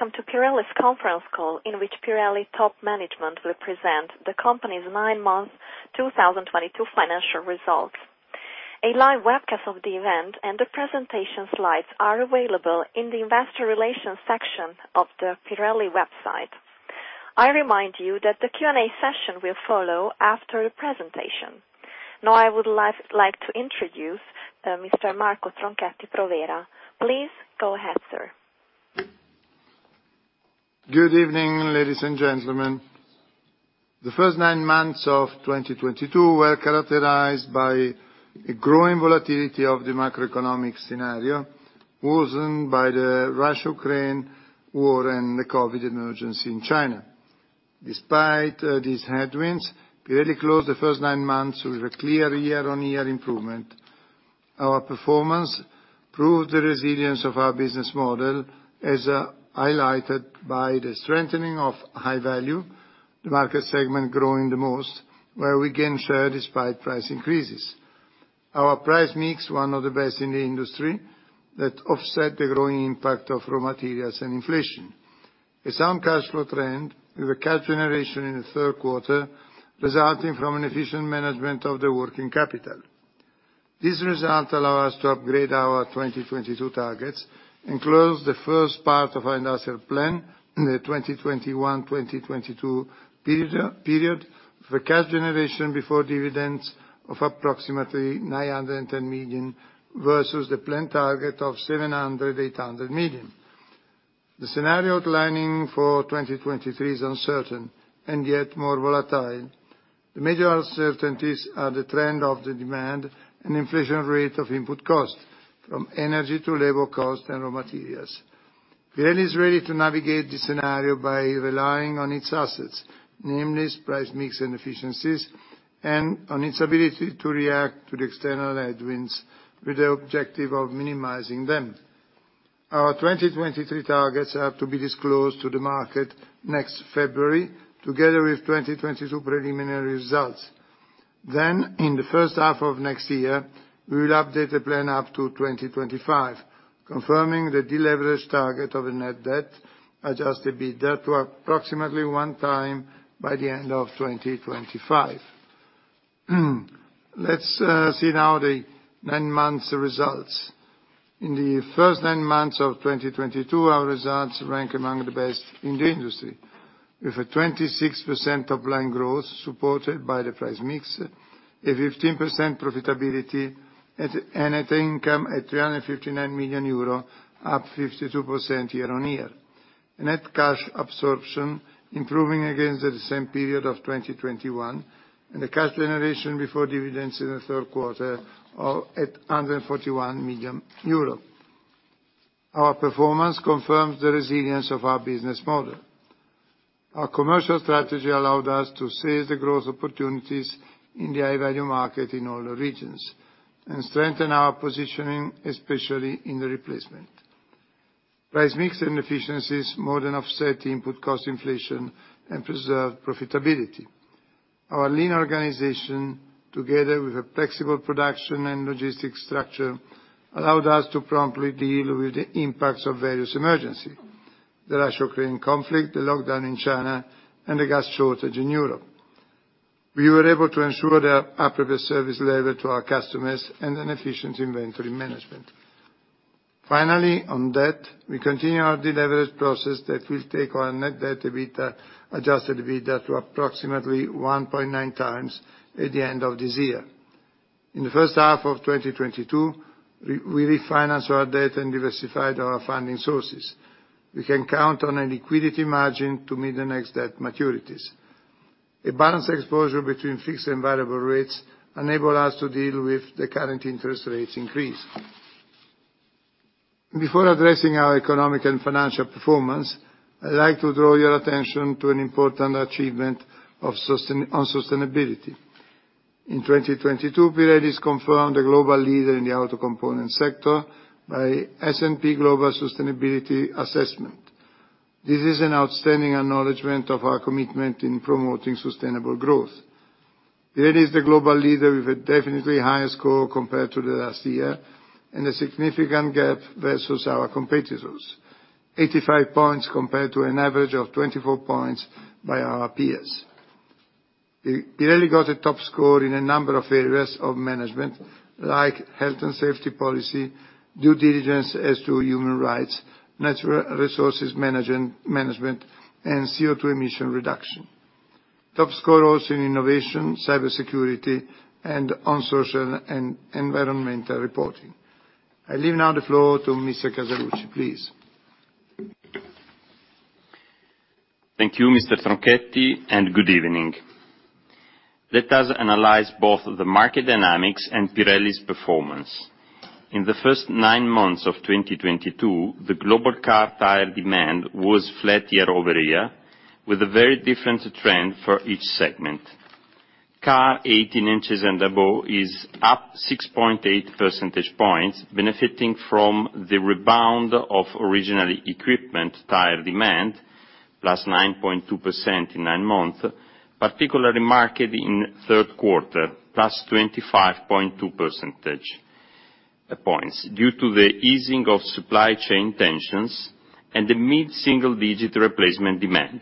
Welcome to Pirelli's conference call, in which Pirelli top management will present the company's nine-month 2022 financial results. A live webcast of the event and the presentation slides are available in the investor relations section of the Pirelli website. I remind you that the Q&A session will follow after the presentation. Now I would like to introduce Mr. Marco Tronchetti Provera. Please go ahead, sir. Good evening, ladies and gentlemen. The first nine months of 2022 were characterized by a growing volatility of the macroeconomic scenario, worsened by the Russia-Ukraine war and the COVID emergency in China. Despite these headwinds, Pirelli closed the first nine months with a clear year-on-year improvement. Our performance proved the resilience of our business model, as highlighted by the strengthening of high-value, the market segment growing the most, where we gain share despite price increases. Our price mix, one of the best in the industry that offset the growing impact of raw materials and inflation. A sound cash flow trend with a cash generation in the third quarter, resulting from an efficient management of the working capital. This result allows us to upgrade our 2022 targets and close the first part of our industrial plan in the 2021-2022 period with a cash generation before dividends of approximately 910 million, versus the planned target of 700-800 million. The scenario outlining for 2023 is uncertain and yet more volatile. The major uncertainties are the trend of the demand and inflation rate of input costs, from energy to labor cost and raw materials. Pirelli is ready to navigate this scenario by relying on its assets, namely price mix and efficiencies, and on its ability to react to the external headwinds with the objective of minimizing them. Our 2023 targets are to be disclosed to the market next February, together with 2022 preliminary results. In the first half of next year, we will update the plan up to 2025, confirming the deleverage target of a net debt to adjusted EBITDA to approximately 1x by the end of 2025. Let's see now the nine-months results. In the first nine months of 2022, our results rank among the best in the industry, with a 26% top-line growth supported by the price mix, a 15% profitability, and net income at 359 million euro, up 52% year-on-year. Net cash absorption improving against the same period of 2021, and the cash generation before dividends in the third quarter are at under 41 million euros. Our performance confirms the resilience of our business model. Our commercial strategy allowed us to seize the growth opportunities in the high-value market in all the regions and strengthen our positioning, especially in the replacement. Price mix and efficiencies more than offset input cost inflation and preserved profitability. Our lean organization, together with a flexible production and logistics structure, allowed us to promptly deal with the impacts of various emergencies, the Russia-Ukraine conflict, the lockdown in China, and the gas shortage in Europe. We were able to ensure the appropriate service level to our customers and an efficient inventory management. Finally, on debt, we continue our deleverage process that will take our net debt to adjusted EBITDA to approximately 1.9x at the end of this year. In the first half of 2022, we refinanced our debt and diversified our funding sources. We can count on a liquidity margin to meet the next debt maturities. A balanced exposure between fixed and variable rates enable us to deal with the current interest rates increase. Before addressing our economic and financial performance, I'd like to draw your attention to an important achievement on sustainability. In 2022, Pirelli is confirmed the global leader in the auto component sector by S&P Global Sustainability Assessment. This is an outstanding acknowledgment of our commitment in promoting sustainable growth. Pirelli is the global leader with a definitely higher score compared to the last year and a significant gap versus our competitors. 85 points compared to an average of 24 points by our peers. Pirelli got a top score in a number of areas of management, like health and safety policy, due diligence as to human rights, natural resources management, and CO2 emission reduction. Top score also in innovation, cybersecurity, and on social and environmental reporting. I leave now the floor to Mr. Casaluci, please. Thank you, Mr. Tronchetti, and good evening. Let us analyze both the market dynamics and Pirelli's performance. In the first nine months of 2022, the global car tire demand was flat year-over-year, with a very different trend for each segment. Car 18 in and above is up 6.8 percentage points, benefiting from the rebound of original equipment tire demand. +9.2% in nine months, particularly the market in third quarter, +25.2 percentage points due to the easing of supply chain tensions and the mid-single digit replacement demand.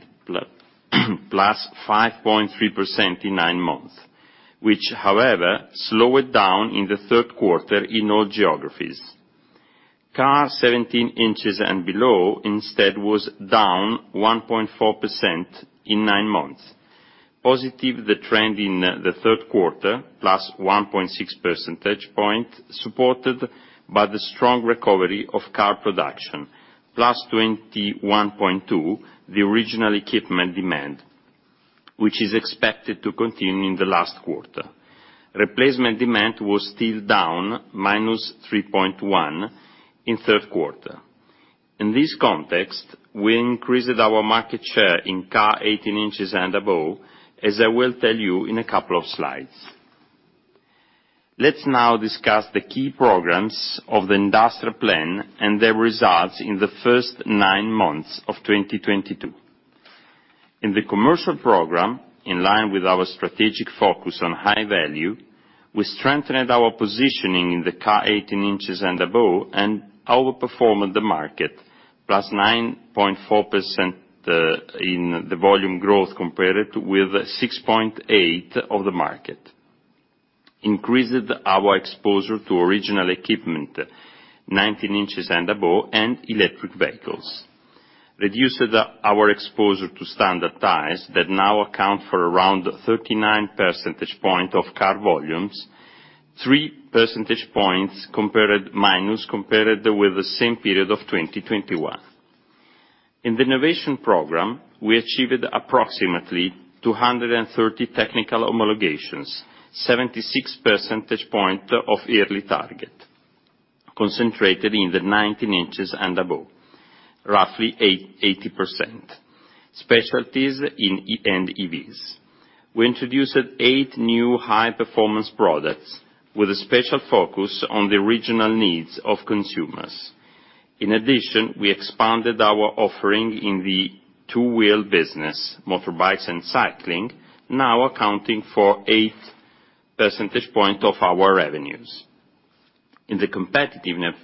+5.3% in nine months, which however, slowed down in the third quarter in all geographies. Car 17 in and below instead was down 1.4% in nine months. Positively, the trend in the third quarter, +1.6 percentage points, supported by the strong recovery of car production, +21.2%, the original equipment demand, which is expected to continue in the last quarter. Replacement demand was still down -3.1% in third quarter. In this context, we increased our market share in car 18 in and above, as I will tell you in a couple of slides. Let's now discuss the key programs of the industrial plan and their results in the first nine months of 2022. In the commercial program, in line with our strategic focus on high-value, we strengthened our positioning in the car 18 in and above, and outperformed the market +9.4% in the volume growth compared with 6.8% of the market. Increased our exposure to original equipment, 19 in and above, and electric vehicles. Reduced our exposure to standard tires that now account for around 39 percentage points of car volumes, 3 percentage points compared with the same period of 2021. In the innovation program, we achieved approximately 230 technical homologations, 76 percentage points of yearly target, concentrated in the 19 in and above, roughly 80%. Specialties in EVs. We introduced eight new high-performance products with a special focus on the regional needs of consumers. In addition, we expanded our offering in the two-wheel business, motorbikes and cycling, now accounting for 8 percentage points of our revenues. In the competitiveness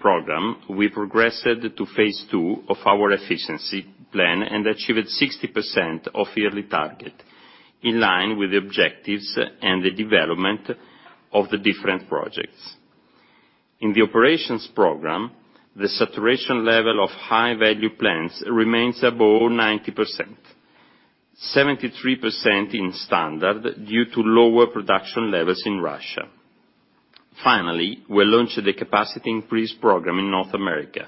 program, we progressed to phase II of our efficiency plan and achieved 60% of yearly target in line with the objectives and the development of the different projects. In the operations program, the saturation level of high-value plans remains above 90%, 73% in standard due to lower production levels in Russia. Finally, we launched the capacity increase program in North America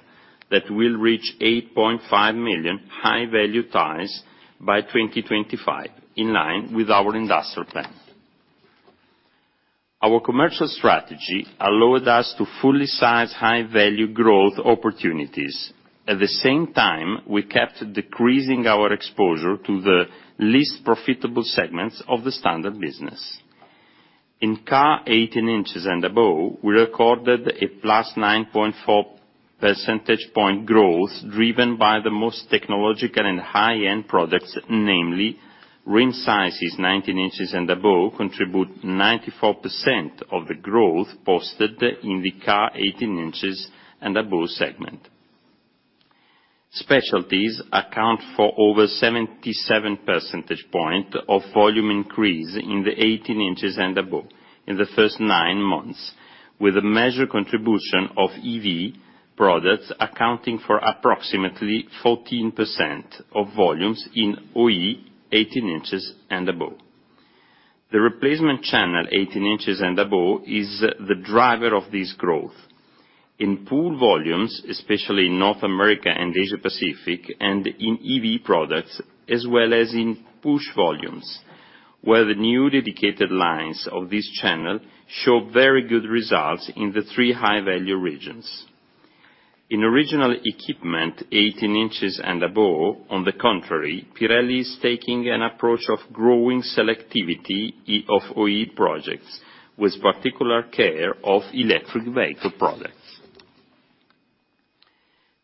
that will reach 8.5 million high-value tires by 2025, in line with our industrial plan. Our commercial strategy allowed us to fully size high-value growth opportunities. At the same time, we kept decreasing our exposure to the least profitable segments of the standard business. In car 18 in and above, we recorded a +9.4 percentage point growth, driven by the most technological and high-end products, namely rim sizes 19 in and above contribute 94% of the growth posted in the car 18 in and above segment. Specialties account for over 77 percentage points of volume increase in the 18 in and above in the first nine months, with a major contribution of EV products accounting for approximately 14% of volumes in OE 18 in and above. The replacement channel 18 in and above is the driver of this growth. In pull volumes, especially in North America and Asia Pacific, and in EV products, as well as in push volumes, where the new dedicated lines of this channel show very good results in the three high-value regions. In original equipment 18 in and above, on the contrary, Pirelli is taking an approach of growing selectivity of OE projects with particular care of electric vehicle products.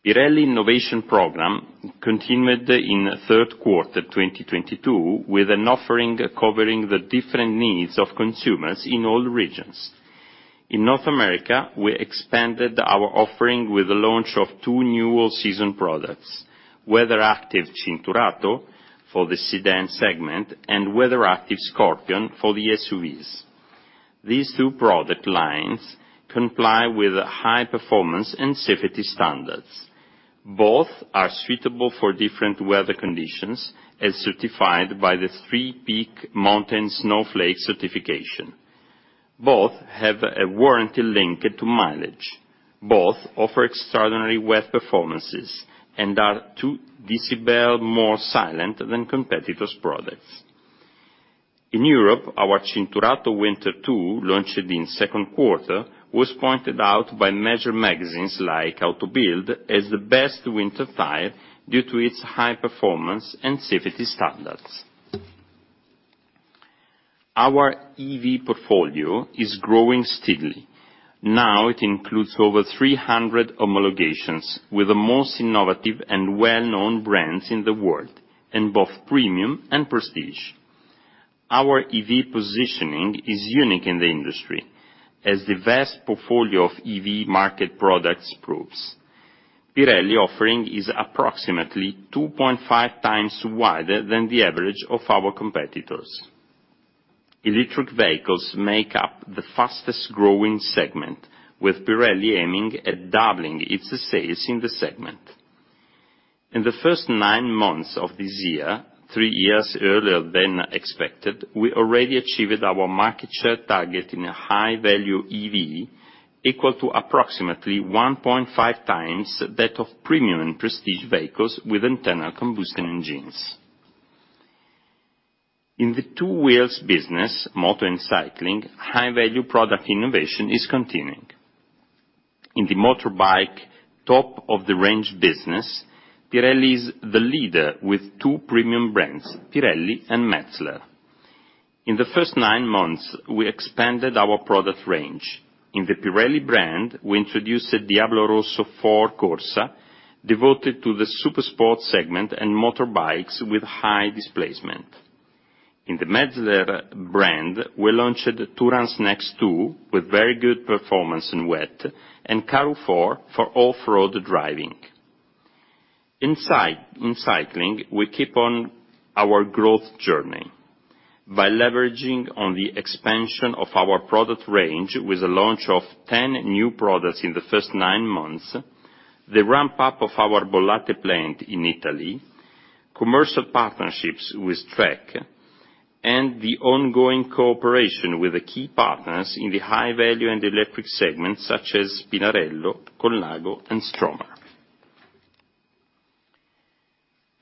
Pirelli innovation program continued in third quarter 2022, with an offering covering the different needs of consumers in all regions. In North America, we expanded our offering with the launch of two new all-season products: Cinturato WeatherActive for the sedan segment and Scorpion WeatherActive for the SUVs. These two product lines comply with high-performance and safety standards. Both are suitable for different weather conditions, as certified by the Three-Peak Mountain Snowflake certification. Both have a warranty linked to mileage. Both offer extraordinary wet performances and are two decibel more silent than competitors' products. In Europe, our Cinturato Winter two, launched in second quarter, was pointed out by major magazines like Auto Bild as the best winter tire due to its high-performance and safety standards. Our EV portfolio is growing steadily. Now it includes over 300 homologations with the most innovative and well-known brands in the world, in both premium and prestige. Our EV positioning is unique in the industry, as the vast portfolio of EV market products proves. Pirelli's offering is approximately 2.5 times wider than the average of our competitors. Electric vehicles make up the fastest-growing segment, with Pirelli aiming at doubling its sales in the segment. In the first nine months of this year, three years earlier than expected, we already achieved our market share target in a high-value EV, equal to approximately 1.5 times that of premium and prestige vehicles with internal combustion engines. In the two-wheels business, moto and cycling, high-value product innovation is continuing. In the motorbike top-of-the-range business, Pirelli is the leader with two premium brands, Pirelli and Metzeler. In the first nine months, we expanded our product range. In the Pirelli brand, we introduced the DIABLO ROSSO IV Corsa, devoted to the super sport segment and motorbikes with high displacement. In the Metzeler brand, we launched TOURANCE Next 2 with very good performance in wet, and KAROO 4 for off-road driving. In cycling, we keep on our growth journey by leveraging on the expansion of our product range with the launch of 10 new products in the first nine months, the ramp up of our Bollate plant in Italy, commercial partnerships with Trek, and the ongoing cooperation with the key partners in the high-value and electric segment such as Pinarello, Colnago, and Stromer.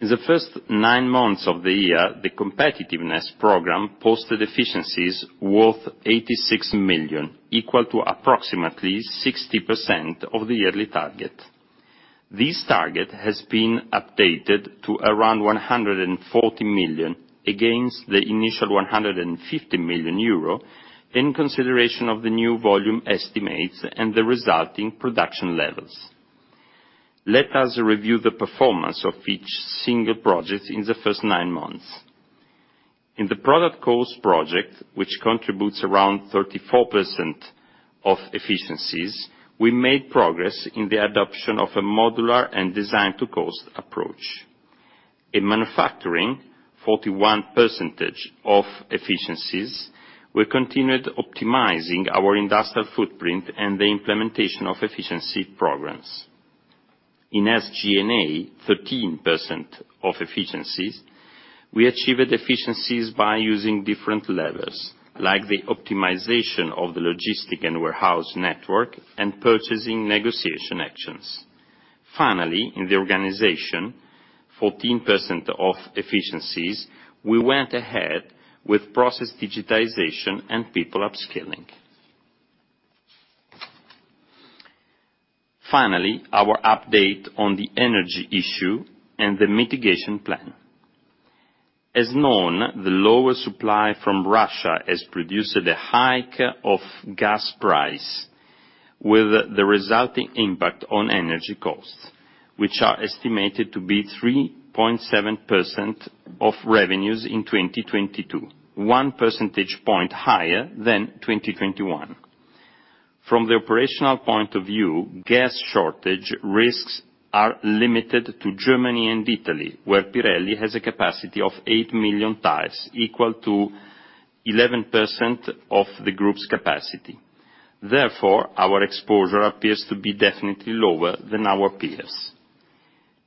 In the first nine months of the year, the competitiveness program posted efficiencies worth 86 million, equal to approximately 60% of the yearly target. This target has been updated to around 140 million, against the initial 150 million euro, in consideration of the new volume estimates and the resulting production levels. Let us review the performance of each single project in the first nine months. In the product cost project, which contributes around 34% of efficiencies, we made progress in the adoption of a modular and design-to-cost approach. In manufacturing, 41% of efficiencies, we continued optimizing our industrial footprint and the implementation of efficiency programs. In SG&A, 13% of efficiencies, we achieved efficiencies by using different levers, like the optimization of the logistics and warehouse network and purchasing negotiation actions. Finally, in the organization, 14% of efficiencies, we went ahead with process digitization and people upskilling. Finally, our update on the energy issue and the mitigation plan. As known, the lower supply from Russia has produced a hike of gas price with the resulting impact on energy costs, which are estimated to be 3.7% of revenues in 2022, 1 percentage point higher than 2021. From the operational point of view, gas shortage risks are limited to Germany and Italy, where Pirelli has a capacity of 8 million tires, equal to 11% of the group's capacity. Therefore, our exposure appears to be definitely lower than our peers.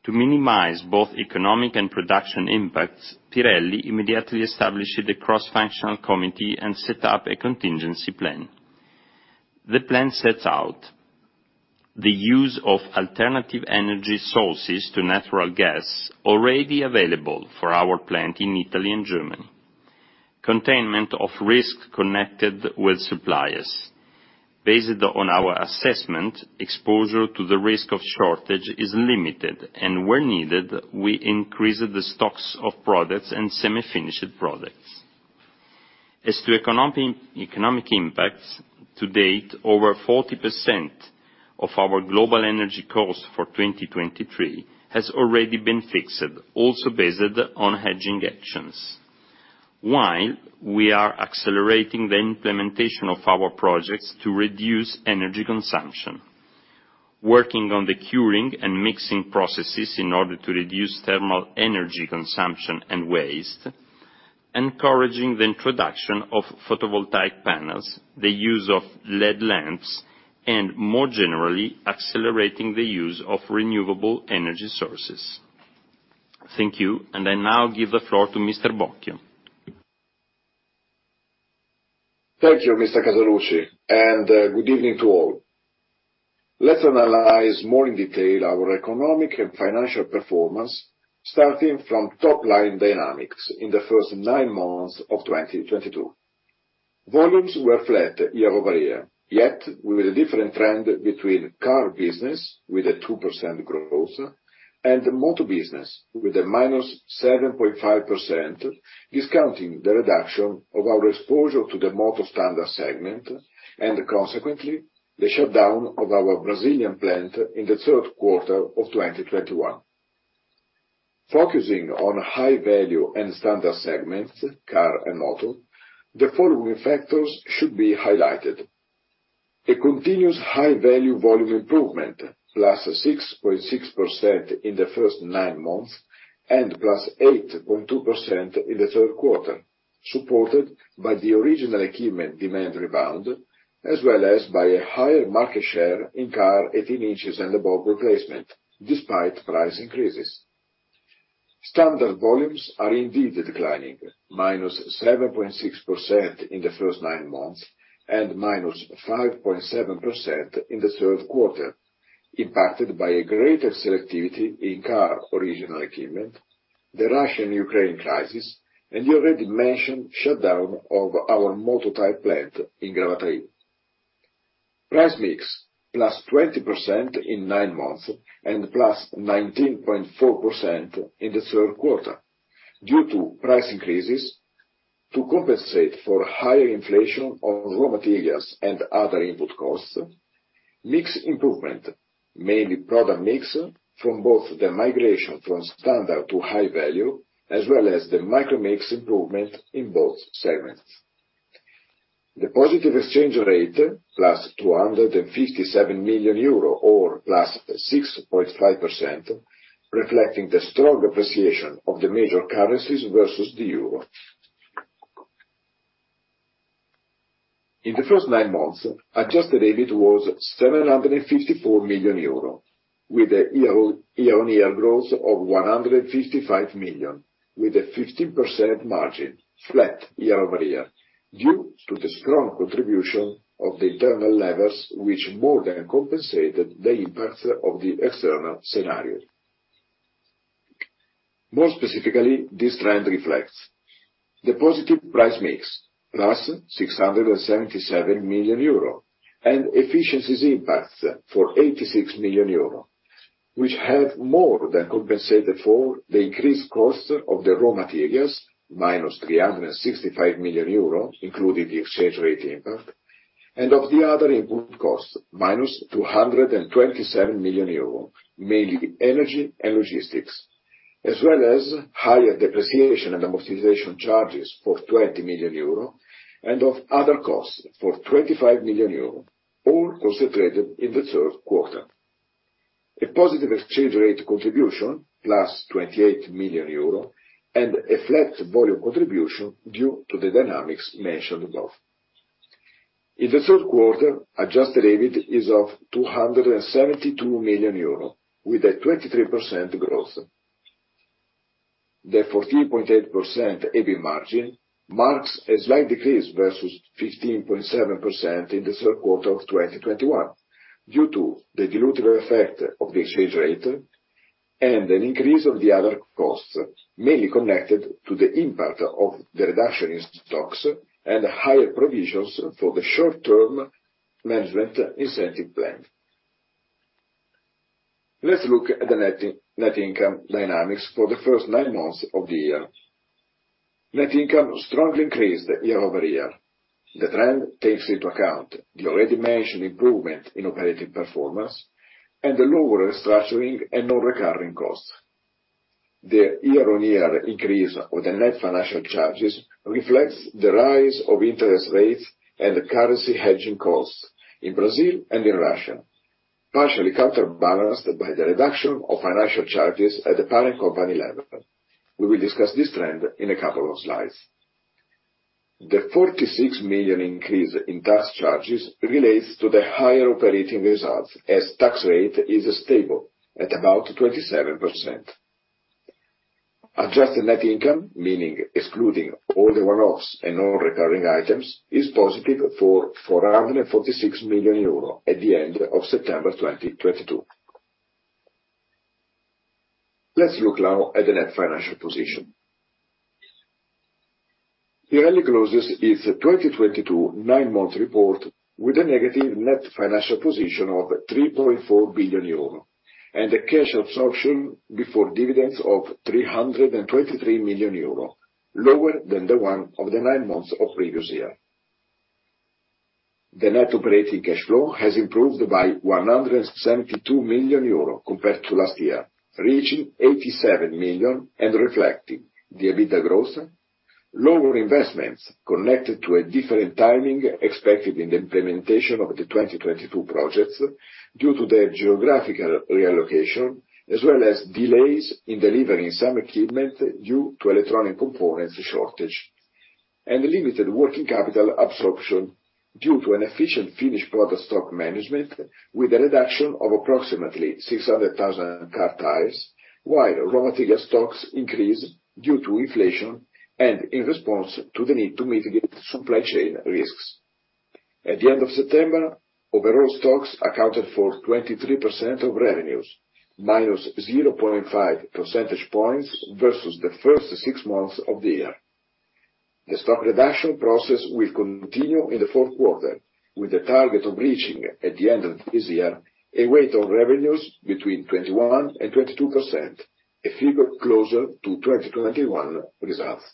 To minimize both economic and production impacts, Pirelli immediately established a cross-functional committee and set up a contingency plan. The plan sets out the use of alternative energy sources to natural gas already available for our plant in Italy and Germany. Containment of risk connected with suppliers. Based on our assessment, exposure to the risk of shortage is limited, and where needed, we increased the stocks of products and semi-finished products. As to economic impacts, to date, over 40% of our global energy costs for 2023 has already been fixed, also based on hedging actions, while we are accelerating the implementation of our projects to reduce energy consumption. Working on the curing and mixing processes in order to reduce thermal energy consumption and waste, encouraging the introduction of photovoltaic panels, the use of LED lamps, and more generally, accelerating the use of renewable energy sources. Thank you, and I now give the floor to Mr. Bocchio. Thank you, Mr. Casaluci, and good evening to all. Let's analyze more in detail our economic and financial performance, starting from top-line dynamics in the first nine months of 2022. Volumes were flat year-over-year, yet with a different trend between car business, with a 2% growth, and the motor business, with a -7.5%, discounting the reduction of our exposure to the motor standard segment and consequently, the shutdown of our Brazilian plant in the third quarter of 2021. Focusing on high-value and standard segments, car and moto, the following factors should be highlighted. A continuous high-value volume improvement, +6.6% in the first nine months, and +8.2% in the third quarter, supported by the original equipment demand rebound, as well as by a higher market share in car 18 in and above replacement despite price increases. Standard volumes are indeed declining, -7.6% in the first nine months and -5.7% in the third quarter, impacted by a greater selectivity in car original equipment, the Russia-Ukraine crisis, and the already mentioned shutdown of our motorcycle plant in Gravataí. Price mix, +20% in nine months and +19.4% in the third quarter, due to price increases to compensate for higher inflation of raw materials and other input costs. Mix improvement, mainly product mix from both the migration from standard to high-value, as well as the micro mix improvement in both segments. The positive exchange rate, +257 million euro, or +6.5%, reflecting the strong appreciation of the major currencies versus the euro. In the first nine months, adjusted EBIT was 754 million euro, with a year-on-year growth of 155 million, with a 15% margin, flat year-over-year, due to the strong contribution of the internal levers, which more than compensated the impact of the external scenario. More specifically, this trend reflects the positive price mix, +677 million euro, and efficiencies impact for 86 million euro, which have more than compensated for the increased cost of the raw materials, -365 million euro, including the exchange rate impact, and of the other input costs, -227 million euro, mainly energy and logistics, as well as higher depreciation and amortization charges for 20 million euro, and of other costs for 25 million euro, all concentrated in the third quarter. A positive exchange rate contribution, +28 million euro, and a flat volume contribution due to the dynamics mentioned above. In the third quarter, adjusted EBIT is 272 million euro with a 23% growth. The 14.8% EBIT margin marks a slight decrease versus 15.7% in the third quarter of 2021 due to the dilutive effect of the exchange rate and an increase of the other costs, mainly connected to the impact of the reduction in stocks and higher provisions for the short term management incentive plan. Let's look at the net income dynamics for the first nine months of the year. Net income strongly increased year-over-year. The trend takes into account the already mentioned improvement in operating performance and the lower restructuring and non-recurring costs. The year-on-year increase of the net financial charges reflects the rise of interest rates and currency hedging costs in Brazil and in Russia, partially counterbalanced by the reduction of financial charges at the parent company level. We will discuss this trend in a couple of slides. The 46 million increase in tax charges relates to the higher operating results, as tax rate is stable at about 27%. Adjusted net income, meaning excluding all the one-offs and non-recurring items, is positive for 446 million euro at the end of September 2022. Let's look now at the net financial position. Pirelli closes its 2022 nine-month report with a negative net financial position of 3.4 billion euro, and a cash absorption before dividends of 323 million euro, lower than the one of the nine months of previous year. The net operating cash flow has improved by 172 million euro compared to last year, reaching 87 million and reflecting the EBITDA growth, lower investments connected to a different timing expected in the implementation of the 2022 projects due to the geographical reallocation, as well as delays in delivering some equipment due to electronic components shortage, and limited working capital absorption due to an efficient finished product stock management with a reduction of approximately 600,000 car tires, while raw material stocks increased due to inflation and in response to the need to mitigate supply chain risks. At the end of September, overall stocks accounted for 23% of revenues, minus 0.5 percentage points versus the first six months of the year. The stock reduction process will continue in the fourth quarter with a target of reaching, at the end of this year, a weight of revenues between 21%-22%, a figure closer to 2021 results.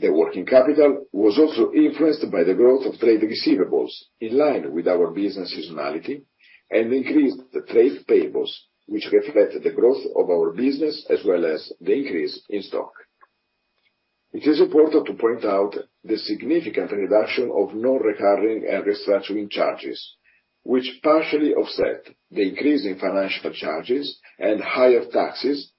The working capital was also influenced by the growth of trade receivables, in line with our business seasonality, and increased trade payables, which reflect the growth of our business as well as the increase in stock. It is important to point out the significant reduction of non-recurring and restructuring charges, which partially offset the increase in financial charges and higher taxes,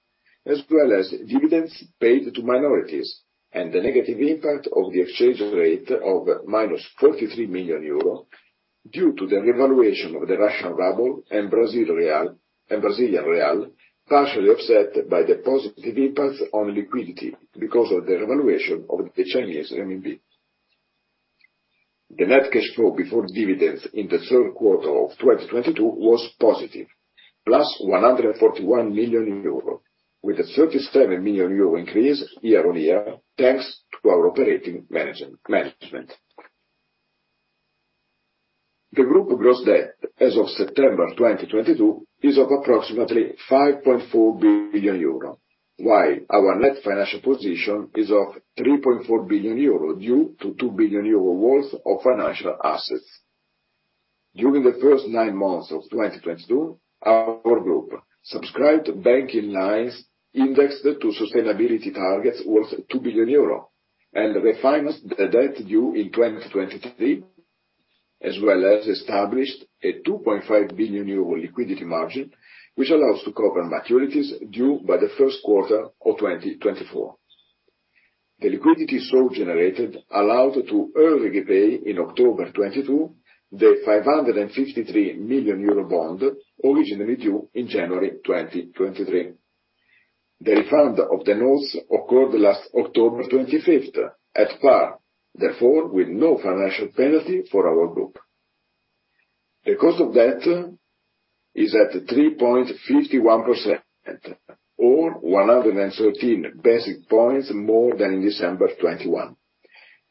as well as dividends paid to minorities, and the negative impact of the exchange rate of -43 million euro due to the revaluation of the Russian ruble and Brazilian real, partially offset by the positive impact on liquidity because of the revaluation of the Chinese RMB. The net cash flow before dividends in the third quarter of 2022 was positive, +141 million euro, with a 37 million euro increase year-on-year, thanks to our operating management. The group gross debt as of September 2022 is approximately 5.4 billion euro, while our net financial position is 3.4 billion euro due to 2 billion euro worth of financial assets. During the first nine months of 2022, our group subscribed banking lines indexed to sustainability targets worth 2 billion euro and refinanced the debt due in 2023, as well as established a 2.5 billion euro liquidity margin, which allows to cover maturities due by the first quarter of 2024. The liquidity so generated allowed to early repay in October 2022 the 553 million euro bond originally due in January 2023. The refund of the notes occurred last October 25th at par, therefore with no financial penalty for our group. The cost of debt is at 3.51%, or 113 basis points more than in December 2021,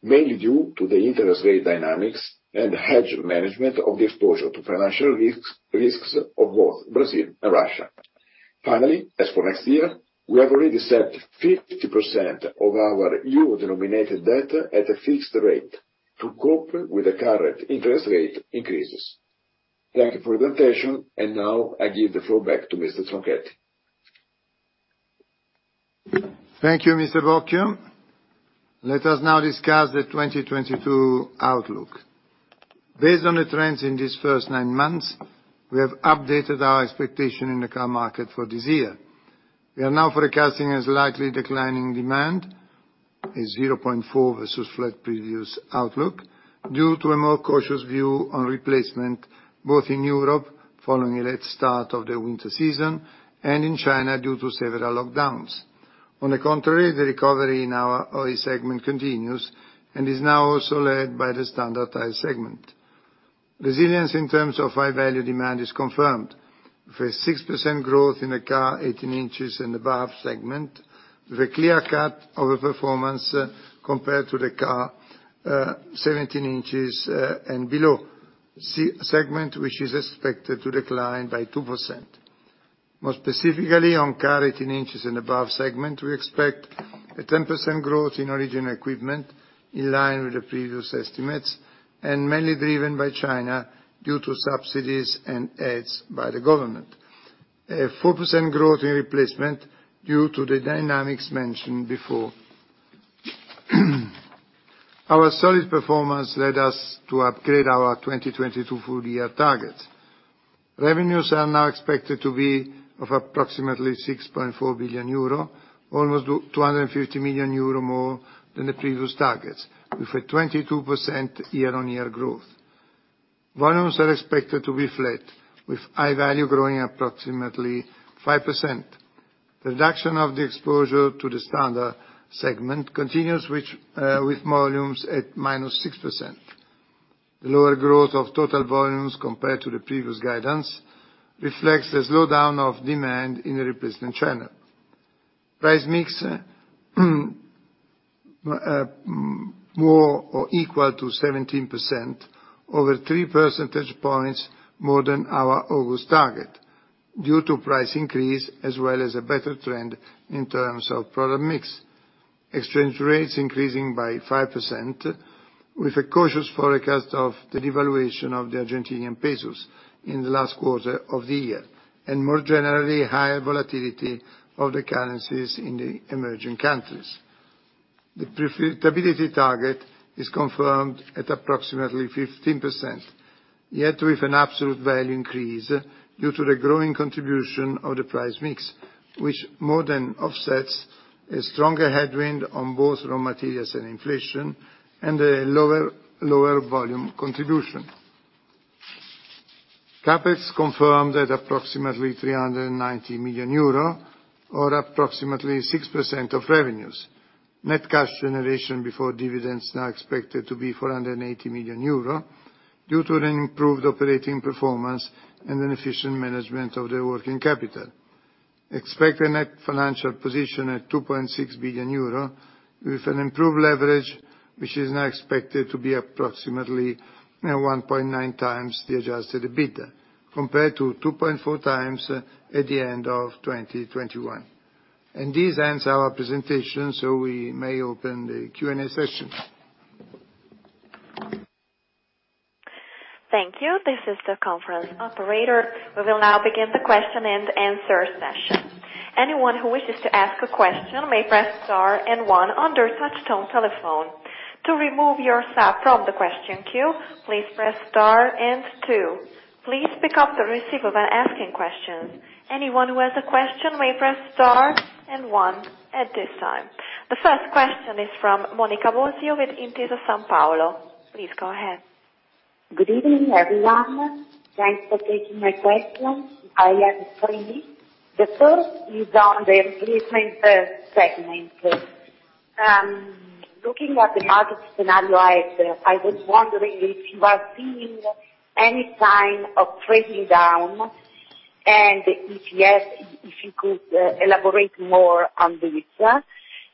mainly due to the interest rate dynamics and hedge management of the exposure to financial risks of both Brazil and Russia. Finally, as for next year, we have already set 50% of our euro-denominated debt at a fixed rate to cope with the current interest rate increases. Thank you for your attention, and now I give the floor back to Mr. Tronchetti. Thank you, Mr. Bocchio. Let us now discuss the 2022 outlook. Based on the trends in these first nine months, we have updated our expectation in the car market for this year. We are now forecasting a slight decline in demand of 0.4% versus flat previous outlook due to a more cautious view on replacement, both in Europe following a late start of the winter season and in China due to several lockdowns. On the contrary, the recovery in our OE segment continues and is now also led by the standard segment. Resilience in terms of high-value demand is confirmed, with a 6% growth in the car 18 in and above segment, with a clear cut-over performance compared to the car 17 in and below segment, which is expected to decline by 2%. More specifically, on car 18 in and above segment, we expect a 10% growth in original equipment in line with the previous estimates and mainly driven by China due to subsidies and aids by the government. A 4% growth in replacement due to the dynamics mentioned before. Our solid performance led us to upgrade our 2022 full-year targets. Revenues are now expected to be approximately 6.4 billion euro, almost 250 million euro more than the previous targets, with a 22% year-on-year growth. Volumes are expected to be flat, with high-value growing approximately 5%. Reduction of the exposure to the standard segment continues which, with volumes at -6%. The lower growth of total volumes compared to the previous guidance reflects the slowdown of demand in the replacement channel. Price mix, more or equal to 17%, over 3 percentage points more than our August target due to price increase as well as a better trend in terms of product mix. Exchange rates increasing by 5% with a cautious forecast of the devaluation of the Argentinian pesos in the last quarter of the year, and more generally, higher volatility of the currencies in the emerging countries. The profitability target is confirmed at approximately 15%, yet with an absolute value increase due to the growing contribution of the price mix, which more than offsets a stronger headwind on both raw materials and inflation, and a lower volume contribution. CAPEX confirmed at approximately 390 million euro, or approximately 6% of revenues. Net cash generation before dividends now expected to be 480 million euro due to an improved operating performance and an efficient management of the working capital. Expect a net financial position at 2.6 billion euro with an improved leverage, which is now expected to be approximately 1.9x the adjusted EBITDA compared to 2.4x at the end of 2021. This ends our presentation, so we may open the Q&A session. Thank you. This is the conference operator. We will now begin the question-and-answer session. Anyone who wishes to ask a question may press star and one on their touch tone telephone. To remove yourself from the question queue, please press star and two. Please pick up the receiver when asking questions. Anyone who has a question may press star and one at this time. The first question is from Monica Bosio with Intesa Sanpaolo. Please go ahead. Good evening, everyone. Thanks for taking my question. I have three. The first is on the replacement segment. Looking at the market scenario ahead, I was wondering if you are seeing any sign of trading down, and if yes, if you could elaborate more on this.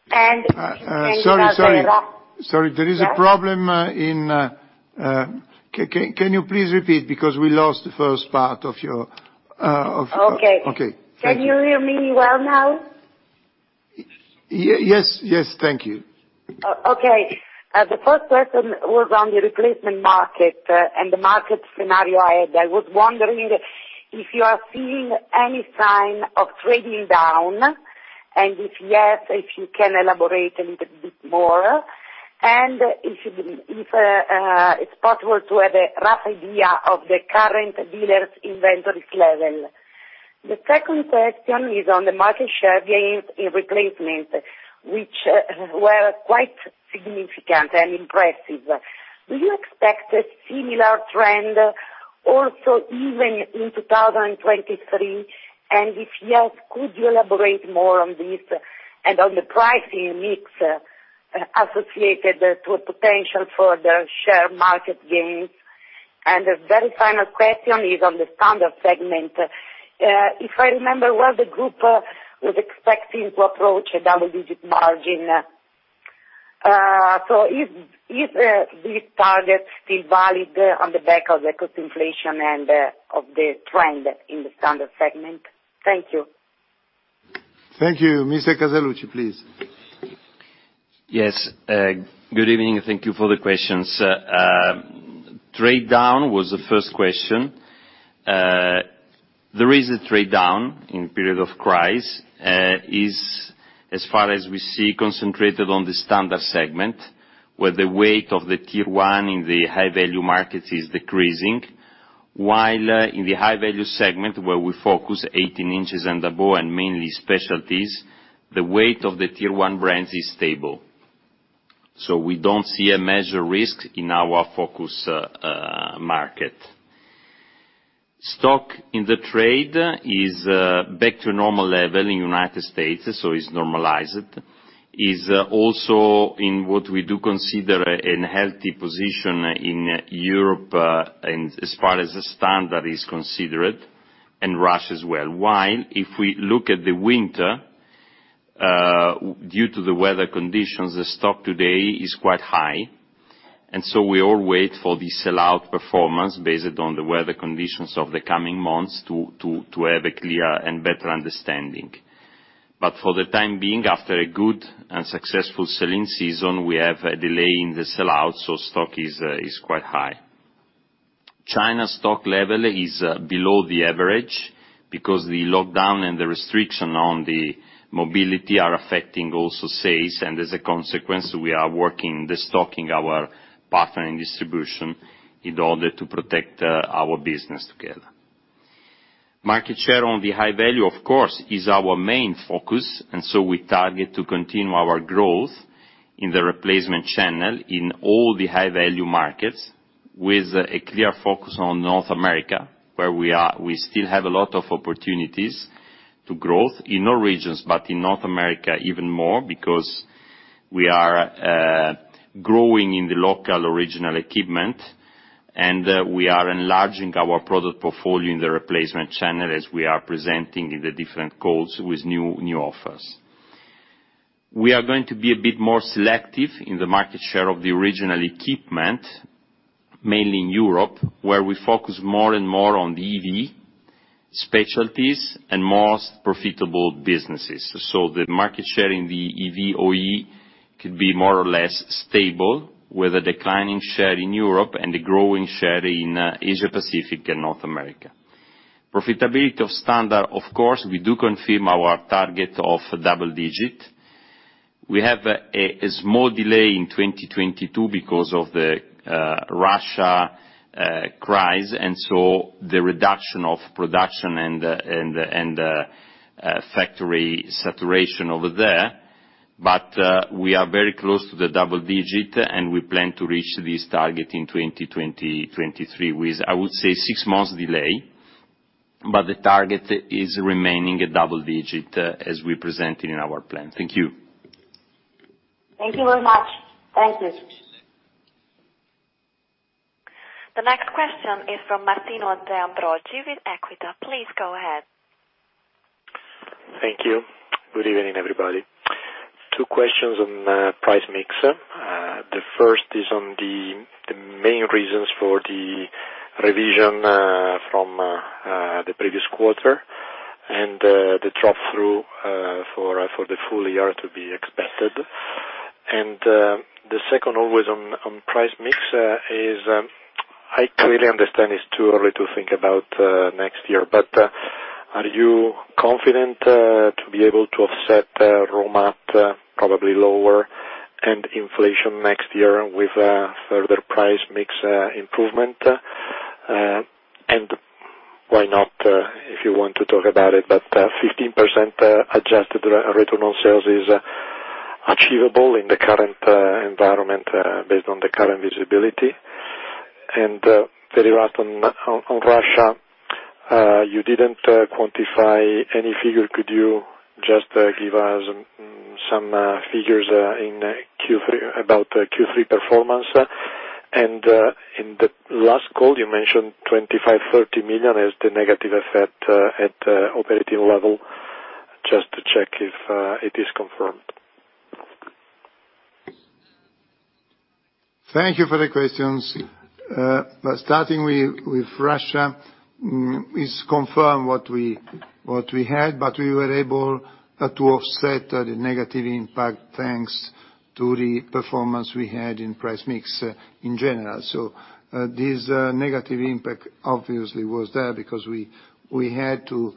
If you have a rough- Sorry. There is a problem. Can you please repeat because we lost the first part of your of- Okay. Okay. Thank you. Can you hear me well now? Yes. Thank you. Okay. The first question was on the replacement market and the market scenario ahead. I was wondering if you are seeing any sign of trading down, and if yes, if you can elaborate a little bit more. If it's possible to have a rough idea of the current dealers inventories level. The second question is on the market share gains in replacement, which were quite significant and impressive. Do you expect a similar trend also even in 2023? If yes, could you elaborate more on this and on the pricing mix associated to a potential further market share gains? A very final question is on the standard segment. If I remember well, the group was expecting to approach a double-digit margin. Is this target still valid on the back of the cost inflation and of the trend in the standard segment? Thank you. Thank you. Mr. Casaluci, please. Yes. Good evening. Thank you for the questions. Trade down was the first question. There is a trade down in period of crisis as far as we see concentrated on the standard segment, where the weight of the tier one in the high-value markets is decreasing. While in the high-value segment where we focus 18 in and above and mainly specialties, the weight of the tier one brands is stable. We don't see a major risk in our focus market. Stock in the trade is back to normal level in United States, so it's normalized. It's also in what we do consider a healthy position in Europe, and as far as the standard is concerned, and Russia as well. While if we look at the winter, due to the weather conditions, the stock today is quite high, and so we all wait for the sellout performance based on the weather conditions of the coming months to have a clear and better understanding. For the time being, after a good and successful selling season, we have a delay in the sellout, so stock is quite high. China stock level is below the average because the lockdown and the restriction on the mobility are affecting also sales, and as a consequence, we are working the stock in our partner in distribution in order to protect our business together. Market share on the high-value, of course, is our main focus, and so we target to continue our growth in the replacement channel in all the high-value markets with a clear focus on North America, where we still have a lot of opportunities to grow in all regions. In North America even more because we are growing in the local original equipment, and we are enlarging our product portfolio in the replacement channel as we are presenting in the different calls with new offers. We are going to be a bit more selective in the market share of the original equipment, mainly in Europe, where we focus more and more on the EV specialties and most profitable businesses. The market share in the EV OE could be more or less stable, with a declining share in Europe and a growing share in Asia-Pacific and North America. Profitability of standard, of course, we do confirm our target of double-digit. We have a small delay in 2022 because of the Russia crisis, and so the reduction of production and factory saturation over there. We are very close to the double-digit, and we plan to reach this target in 2023 with, I would say, six months delay. The target is remaining a double-digit as we presented in our plan. Thank you. Thank you very much. Thank you. The next question is from Martino De Ambroggi with Equita. Please go ahead. Thank you. Good evening, everybody. Two questions on price mix. The first is on the main reasons for the revision from the previous quarter and the drop through for the full-year to be expected. The second always on price mix is, I clearly understand it's too early to think about next year, but are you confident to be able to offset raw mat, probably lower and inflation next year with further price mix improvement? And why not, if you want to talk about it, but 15% adjusted return on sales is achievable in the current environment based on the current visibility. Very last on Russia, you didn't quantify any figure. Could you just give us some figures in Q3 about Q3 performance? In the last call, you mentioned 25-30 million as the negative effect at operating level. Just to check if it is confirmed. Thank you for the questions. Starting with Russia, it's confirmed what we had, but we were able to offset the negative impact, thanks to the performance we had in price mix in general. This negative impact obviously was there because we had to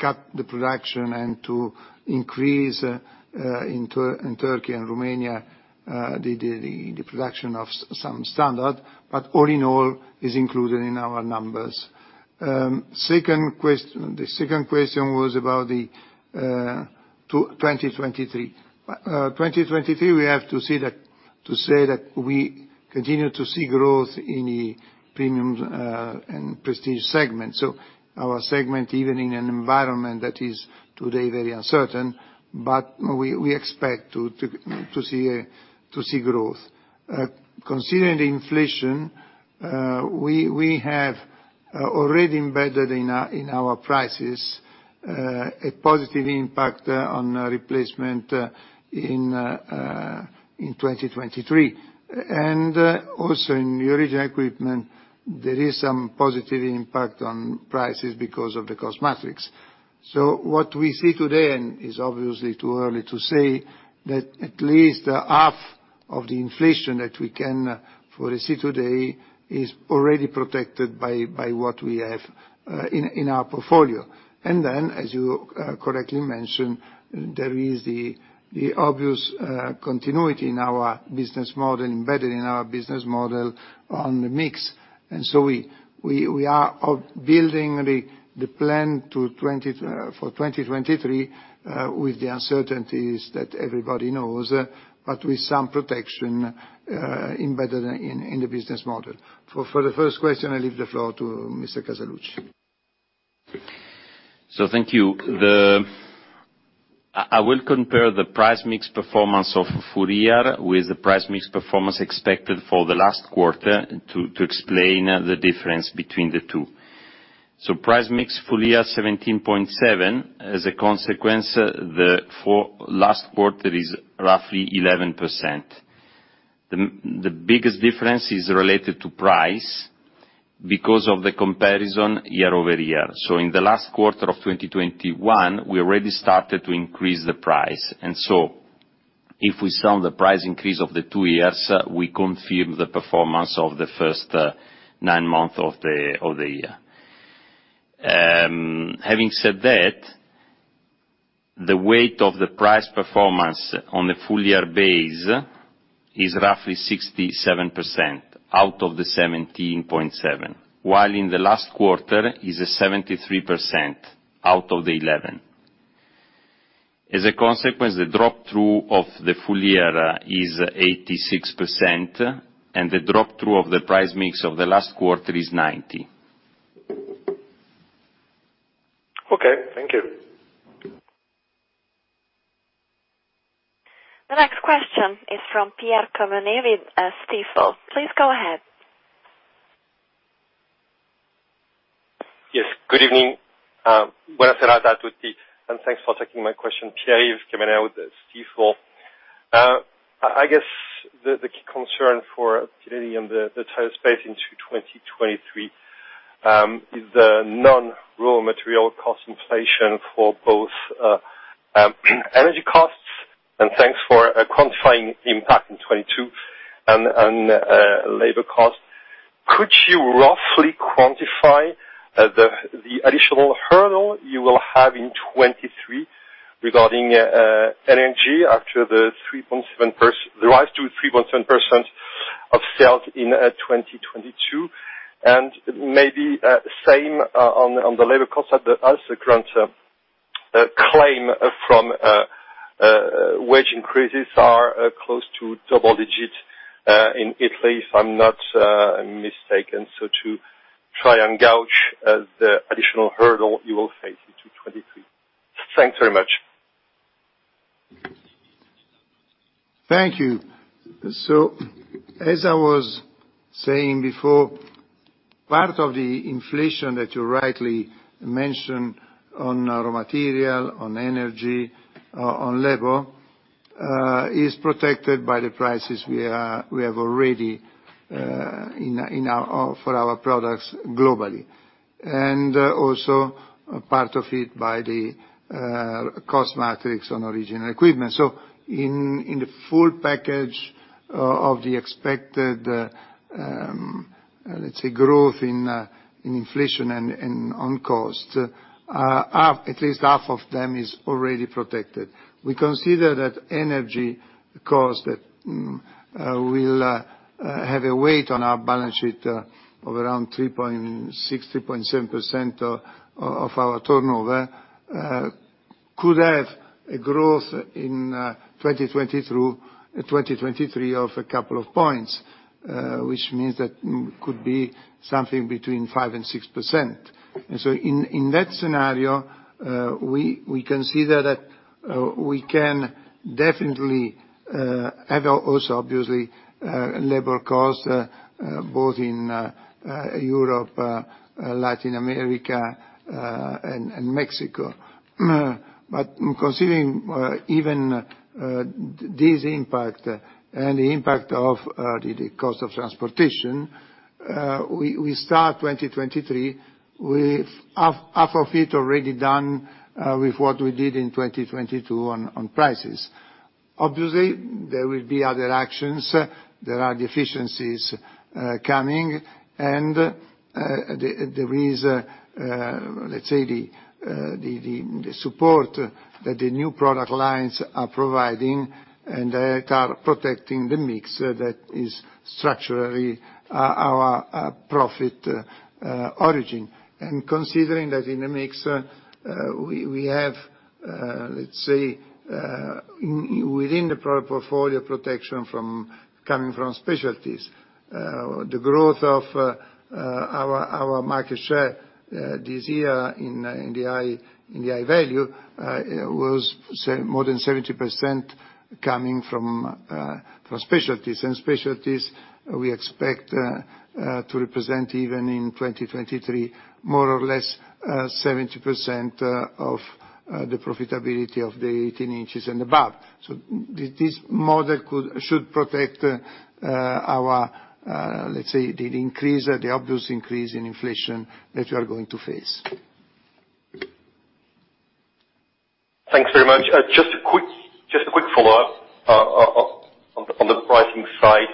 cut the production and to increase in Turkey and Romania the production of some standard. All in all, it is included in our numbers. The second question was about the 2023. 2023, we have to say that we continue to see growth in the premium and prestige segment. Our segment, even in an environment that is today very uncertain, but we expect to see growth. Considering the inflation, we have already embedded in our prices a positive impact on replacement in 2023. Also in the original equipment, there is some positive impact on prices because of the cost matrix. What we see today is obviously too early to say that at least half of the inflation that we can foresee today is already protected by what we have in our portfolio. Then, as you correctly mentioned, there is the obvious continuity in our business model, embedded in our business model on the mix. We are building the plan for 2023 with the uncertainties that everybody knows, but with some protection embedded in the business model. For the first question, I leave the floor to Mr. Casaluci. Thank you. I will compare the price mix performance of full-year with the price mix performance expected for the last quarter to explain the difference between the two. Price mix, full-year, 17.7%. As a consequence, the fourth quarter is roughly 11%. The biggest difference is related to price because of the comparison year-over-year. In the last quarter of 2021, we already started to increase the price. If we sum the price increase of the two years, we confirm the performance of the first nine months of the year. Having said that, the weight of the price performance on a full-year base is roughly 67% out of the 17.7%, while in the last quarter is 73% out of the 11%. As a consequence, the drop-through of the full-year is 86%, and the drop-through of the price mix of the last quarter is 90%. Okay. Thank you. The next question is from Pierre-Yves Quemener, Stifel. Please go ahead. Yes, good evening. Buonasera a tutti, and thanks for taking my question. Pierre-Yves Quemener with Stifel. I guess the key concern, really, on the timeframe into 2023 is the non-raw material cost inflation for both energy costs and labor cost, and thanks for quantifying impact in 2022. Could you roughly quantify the additional hurdle you will have in 2023 regarding energy after the rise to 3.7%? Of sales in 2022. Maybe same on the labor cost side, but wage increases are close to double-digit in Italy, if I'm not mistaken. To try and gauge the additional hurdle you will face into 2023. Thanks very much. Thank you. As I was saying before, part of the inflation that you rightly mentioned on raw material, on energy, on labor, is protected by the prices we have already for our products globally. Also, part of it by the cost matrix on the original equipment. In the full package of the expected, let's say, growth in inflation and on cost, half, at least half of them is already protected. We consider that energy cost that will have a weight on our balance sheet of around 3.6%, 3.7% of our turnover, could have a growth in 2020 through 2023 of a couple of points, which means that could be something between 5%-6%. In that scenario, we consider that we can definitely have also obviously labor costs both in Europe, Latin America, and Mexico. Considering even this impact and the impact of the cost of transportation, we start 2023 with half of it already done with what we did in 2022 on prices. Obviously, there will be other actions. There are efficiencies coming. There is, let's say, the support that the new product lines are providing and are protecting the mix that is structurally our profit margin. Considering that in the mix, we have, let's say, within the product portfolio protection coming from specialties, the growth of our market share this year in the high-value was, say, more than 70% coming from specialties. Specialties we expect to represent even in 2023, more or less, 70% of the profitability of the 18 in and above. This model should protect our, let's say, the obvious increase in inflation that we are going to face. Thanks very much. Just a quick follow-up on the pricing side.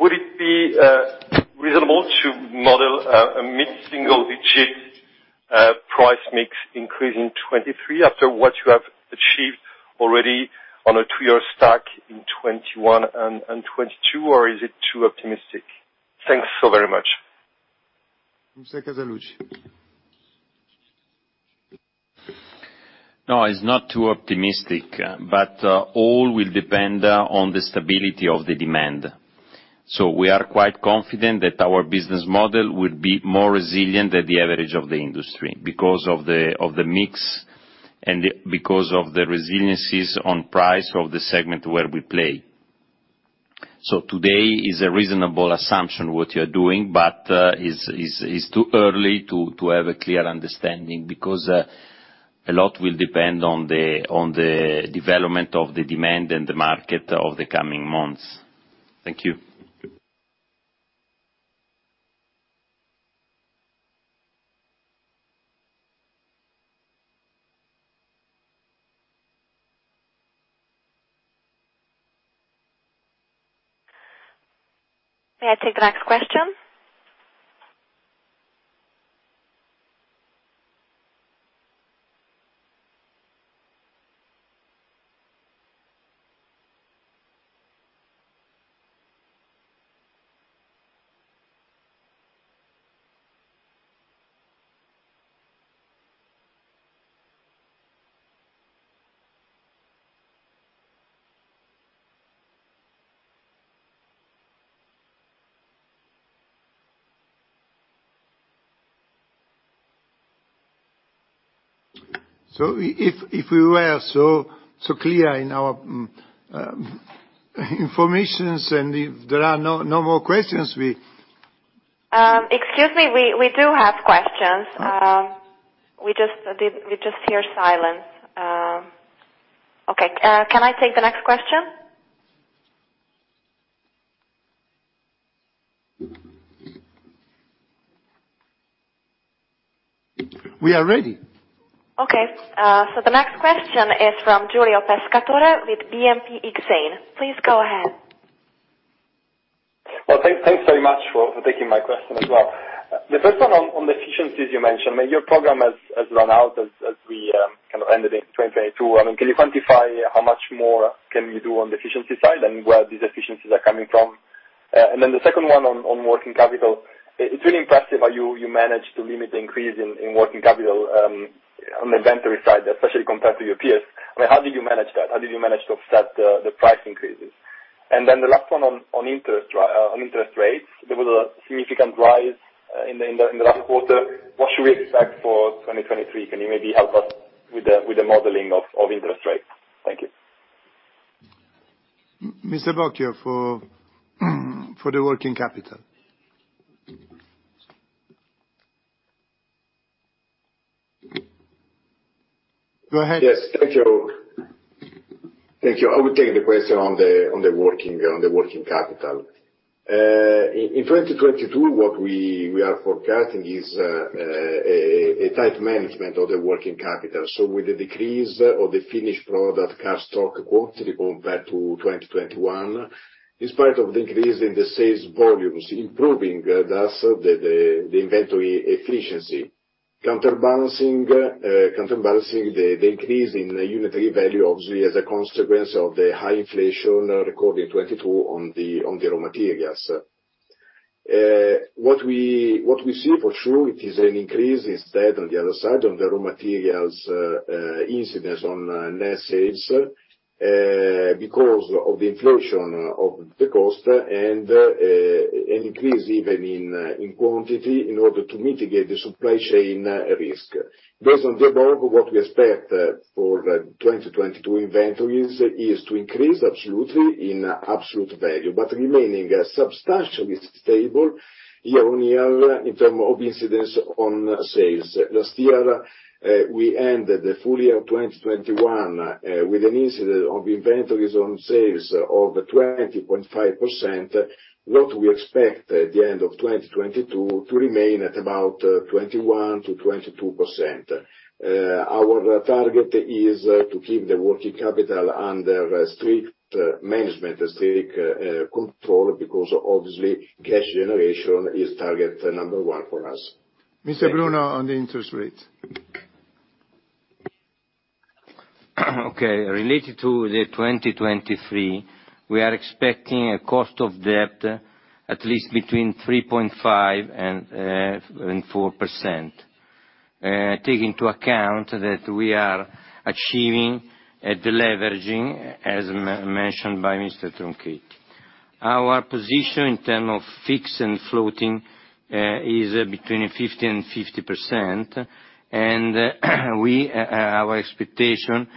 Would it be reasonable to model a mid-single-digit price mix increase in 2023 after what you have achieved already on a two-year stack in 2021 and 2022, or is it too optimistic? Thanks so very much. Mr. Casaluci. No, it's not too optimistic, but all will depend on the stability of the demand. We are quite confident that our business model will be more resilient than the average of the industry because of the mix and because of the resiliencies on price of the segment where we play. Today is a reasonable assumption what you're doing, but is too early to have a clear understanding because a lot will depend on the development of the demand and the market of the coming months. Thank you. Thank you. May I take the next question? If we were so clear in our information, and if there are no more questions. Excuse me, we do have questions. Okay. We just hear silence. Okay, can I take the next question? We are ready. Okay. The next question is from Giulio Pescatore with BNP Paribas Exane. Please go ahead. Well, thanks very much for taking my question as well. The first one on the efficiencies you mentioned. I mean, your program has run out as we kind of ended in 2022. I mean, can you quantify how much more can you do on the efficiency side and where these efficiencies are coming from? The second one is on working capital. It's really impressive how you managed to limit the increase in working capital on the inventory side, especially compared to your peers. I mean, how did you manage that? How did you manage to offset the price increases? The last one on interest rates. There was a significant rise in the last quarter. What should we expect for 2023? Can you maybe help us with the modeling of interest rates? Thank you. Mr. Bocchio for the working capital. Go ahead. Yes. Thank you. I will take the question on the working capital. In 2022, what we are forecasting is a tight management of the working capital. With the decrease of the finished product cash stock quarterly compared to 2021, despite the increase in the sales volumes, improving thus the inventory efficiency. Counterbalancing the increase in the unitary value obviously as a consequence of the high inflation recorded in 2022 on the raw materials. What we see for sure is an increase instead on the other side on the raw materials incidence on net sales because of the inflation of the cost and an increase even in quantity in order to mitigate the supply chain risk. Based on the above, what we expect for 2022 inventories is to increase absolutely in absolute value. Remaining substantially stable year-on-year in terms of incidence on sales. Last year, we ended the full-year of 2021 with an incidence of inventories on sales of 20.5%, what we expect at the end of 2022 to remain at about 21%-22%. Our target is to keep the working capital under strict management, strict control, because obviously, cash generation is target number one for us. Thank you. Mr. Bruno, on the interest rate. Okay. Related to the 2023, we are expecting a cost of debt at least between 3.5% and 4%. Take into account that we are achieving a deleveraging as mentioned by Mr. Tronchetti. Our position in terms of fixed and floating is between 50% and 50%. Our expectation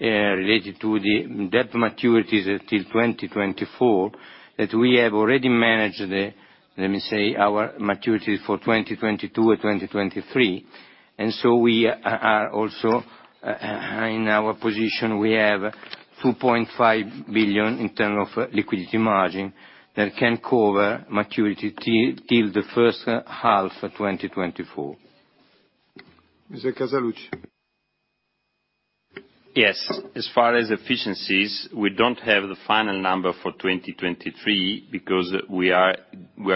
related to the debt maturities until 2024 that we have already managed our maturity for 2022 or 2023. We are also in our position, we have 2.5 billion in terms of liquidity margin that can cover maturity till the first half of 2024. Mr. Casaluci. Yes. As far as efficiencies, we don't have the final number for 2023 because we are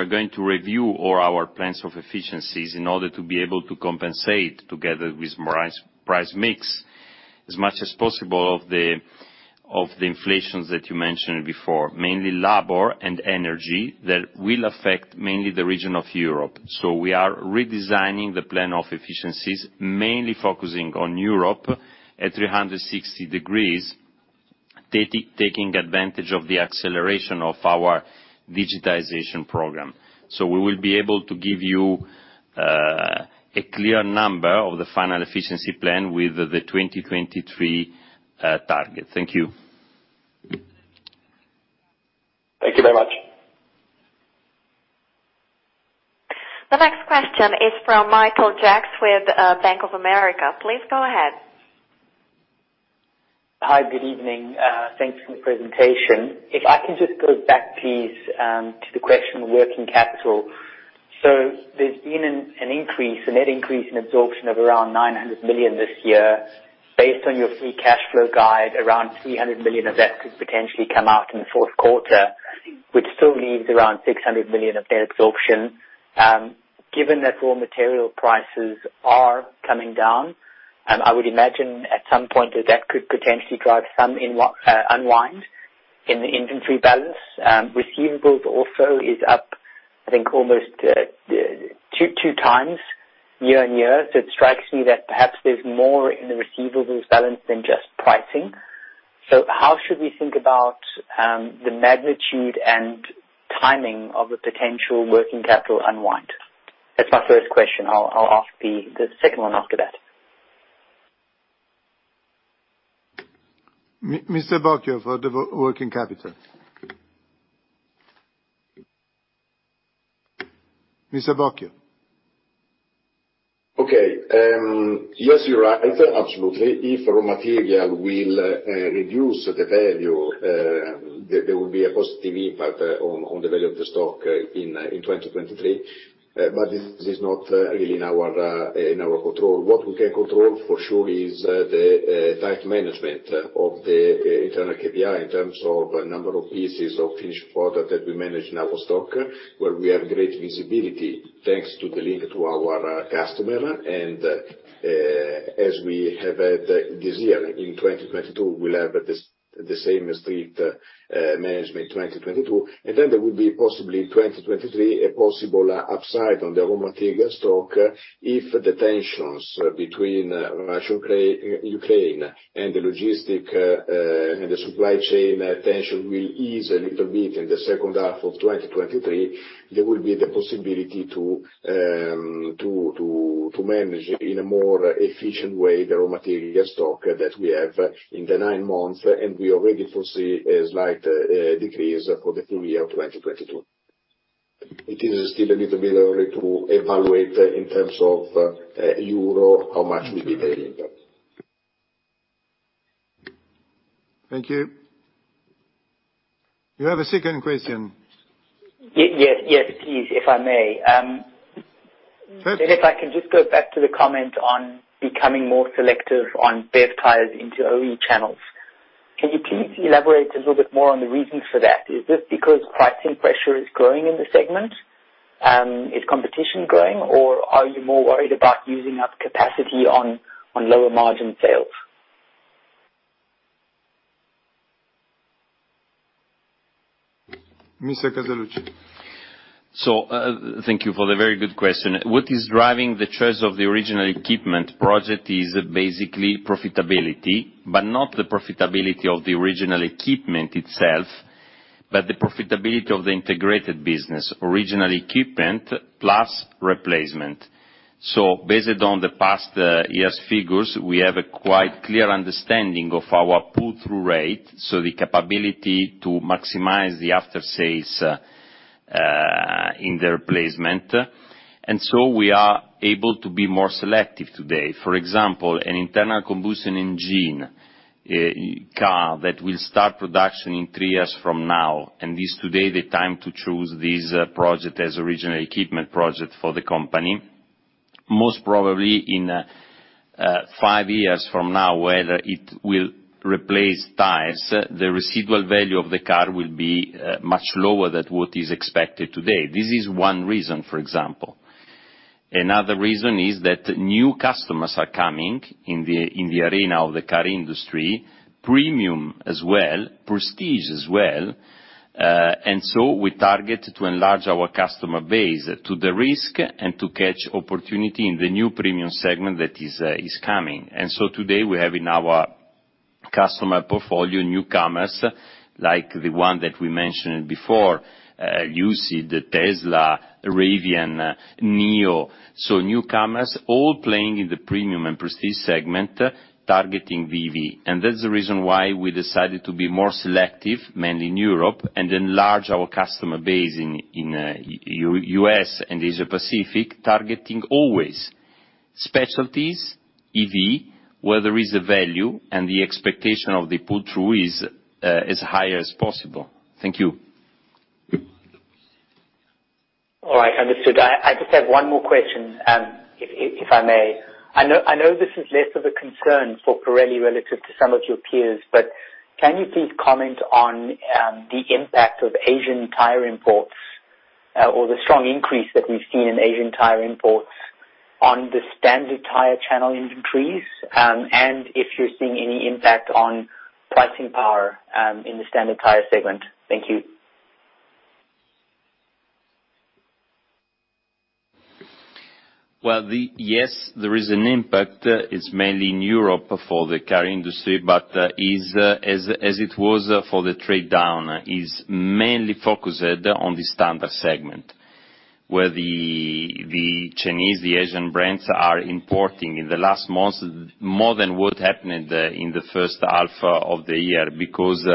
going to review all our plans of efficiencies in order to be able to compensate together with price mix as much as possible of the inflations that you mentioned before. Mainly labor and energy that will affect mainly the region of Europe. We are redesigning the plan of efficiencies, mainly focusing on Europe at 360 degrees, taking advantage of the acceleration of our digitization program. We will be able to give you a clear number of the final efficiency plan with the 2023 target. Thank you. Thank you very much. The next question is from Michael Jacks with Bank of America. Please go ahead. Hi, good evening. Thanks for the presentation. If I can just go back please, to the question of working capital. There's been an increase, a net increase in absorption of around 900 million this year. Based on your free cash flow guide, around 300 million of that could potentially come out in the fourth quarter, which still leaves around 600 million of net absorption. Given that raw material prices are coming down, I would imagine at some point, that could potentially drive some unwind in the inventory balance. Receivables also is up, I think almost two times year-on-year. It strikes me that perhaps there's more in the receivables balance than just pricing. How should we think about the magnitude and timing of the potential working capital unwind? That's my first question. I'll ask the second one after that. Mr. Bocchio for the working capital. Mr. Bocchio. Okay. Yes, you're right. Absolutely. If raw material will reduce the value, there will be a positive impact on the value of the stock in 2023. This is not really in our control. What we can control for sure is the tight management of the internal KPI in terms of number of pieces of finished product that we manage in our stock, where we have great visibility, thanks to the link to our customer, and as we have had this year, in 2022, we'll have the same strict management in 2022. Then there will be possibly in 2023, a possible upside on the raw material stock if the tensions between Russia and Ukraine and the logistics and the supply chain tension will ease a little bit in the second half of 2023, there will be the possibility to manage in a more efficient way the raw material stock that we have in the nine months, and we already foresee a slight decrease for the full-year of 2022. It is still a little bit early to evaluate in terms of euro, how much will be the impact. Thank you. You have a second question. Yes, yes please, if I may. Sure. Philip, if I can just go back to the comment on becoming more selective on best tires into OE channels. Can you please elaborate a little bit more on the reasons for that? Is this because pricing pressure is growing in the segment? Is competition growing or are you more worried about using up capacity on lower margin sales? Mr. Casaluci. Thank you for the very good question. What is driving the choice of the original equipment project is basically profitability, but not the profitability of the original equipment itself, but the profitability of the integrated business, original equipment plus replacement. Based on the past year's figures, we have a quite clear understanding of our pull-through rate, so the capability to maximize the after sales in the replacement. We are able to be more selective today. For example, an internal combustion engine car that will start production in three years from now, and is today the time to choose this project as original equipment project for the company. Most probably in five years from now, whether it will replace tires, the residual value of the car will be much lower than what is expected today. This is one reason, for example. Another reason is that new customers are coming in the arena of the car industry, premium as well, prestige as well, and so we target to enlarge our customer base to the rest and to catch opportunity in the new premium segment that is coming. Today we have in our customer portfolio newcomers like the one that we mentioned before, Lucid, Tesla, Rivian, Nio. Newcomers all playing in the premium and prestige segment, targeting EV. That's the reason why we decided to be more selective, mainly in Europe, and enlarge our customer base in U.S. and Asia Pacific, targeting always specialties, EV, where there is a value, and the expectation of the pull-through is as high as possible. Thank you. All right. Understood. I just have one more question, if I may. I know this is less of a concern for Pirelli relative to some of your peers, but can you please comment on the impact of Asian tire imports, or the strong increase that we've seen in Asian tire imports on the standard tire channel inventories, and if you're seeing any impact on pricing power, in the standard tire segment. Thank you. Well, yes, there is an impact. It's mainly in Europe for the car industry, but is, as it was for the trade down, mainly focused on the standard segment, where the Chinese, Asian brands are importing in the last months, more than what happened in the first half of the year because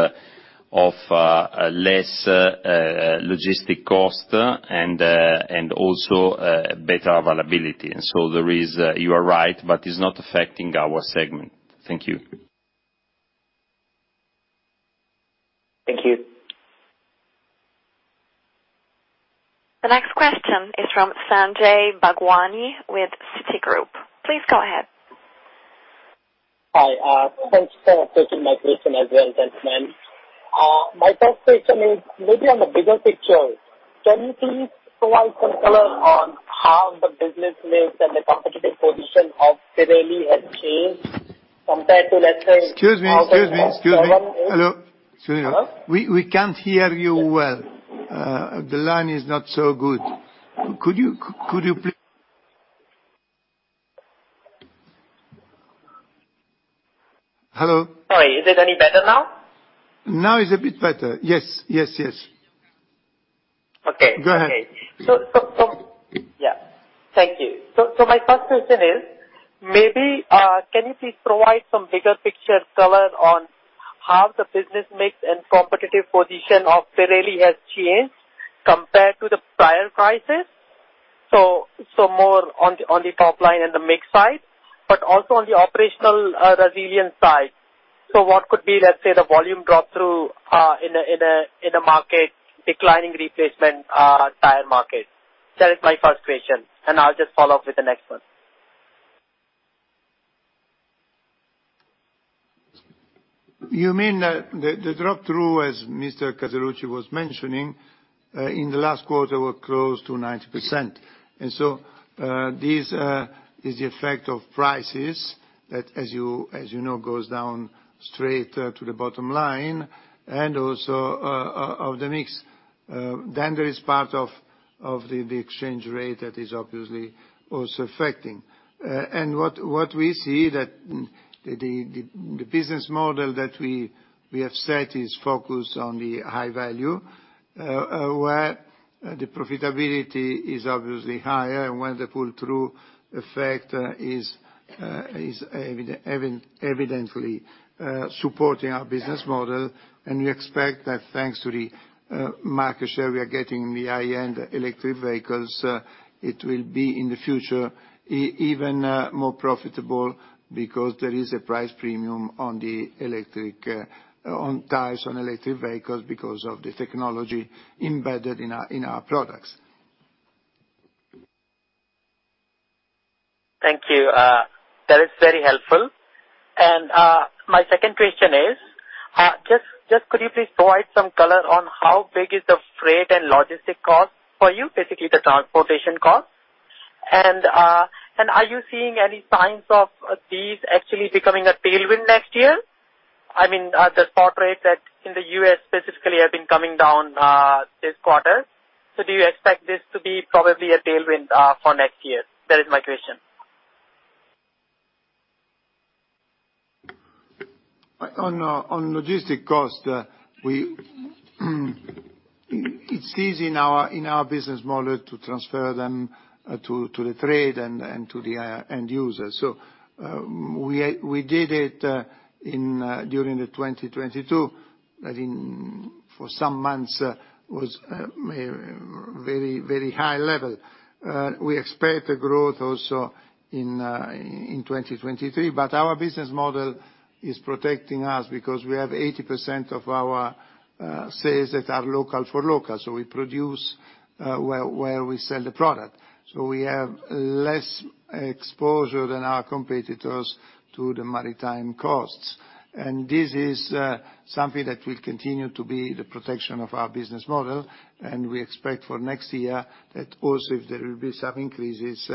of a less logistic cost and also better availability. You are right, but it's not affecting our segment. Thank you. Thank you. The next question is from Sanjay Bhagwani with Citigroup. Please go ahead. Hi. Thanks for taking my question as well, gentlemen. My first question is, maybe on the bigger picture, can you please provide some color on how the business mix and the competitive position of Pirelli has changed compared to, let's say. Excuse me. Hello. Sorry. Huh? We can't hear you well. The line is not so good. Could you? Hello? Sorry, is it any better now? Now is a bit better. Yes. Yes. Yes. Okay. Go ahead. Yeah. Thank you. My first question is, maybe, can you please provide some bigger picture color on how the business mix and competitive position of Pirelli has changed? Compared to the prior prices, so more on the top line and the mix side, but also on the operational resilience side. What could be, let's say, the volume drop through in a declining replacement tire market? That is my first question, and I'll just follow up with the next one. You mean the drop-through, as Mr. Casaluci was mentioning, in the last quarter were close to 90%. This is the effect of prices that, as you know, goes down straight to the bottom line and also of the mix. There is part of the exchange rate that is obviously also affecting. What we see that the business model that we have set is focused on the high-value, where the profitability is obviously higher and where the pull-through effect is evidently supporting our business model. We expect that thanks to the market share we are getting in the high-end electric vehicles, it will be in the future even more profitable because there is a price premium on the electric on tires on electric vehicles because of the technology embedded in our products. Thank you. That is very helpful. My second question is, just, could you please provide some color on how big is the freight and logistic cost for you, basically the transportation cost? Are you seeing any signs of these actually becoming a tailwind next year? I mean, the spot rates that in the U.S. specifically have been coming down this quarter. Do you expect this to be probably a tailwind for next year? That is my question. On logistics costs, it's easy in our business model to transfer them to the trade and to the end user. We did it during 2022. I think for some months was very high level. We expect a growth also in 2023, but our business model is protecting us because we have 80% of our sales that are local for local. We produce where we sell the product. We have less exposure than our competitors to the maritime costs. This is something that will continue to be the protection of our business model. We expect for next year that also if there will be some increases,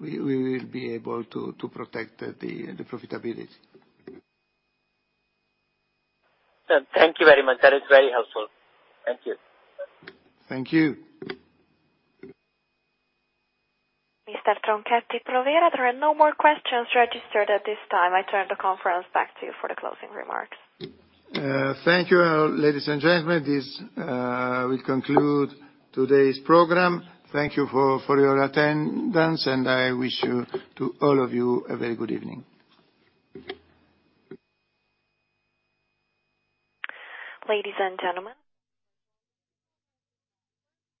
we will be able to protect the profitability. Thank you very much. That is very helpful. Thank you. Thank you. Mr. Tronchetti Provera, there are no more questions registered at this time. I turn the conference back to you for the closing remarks. Thank you, ladies and gentlemen. This will conclude today's program. Thank you for your attendance, and I wish you, to all of you, a very good evening. Ladies and gentlemen.